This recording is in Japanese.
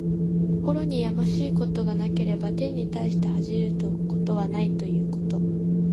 心にやましいことがなければ、天に対して恥じることはないということ。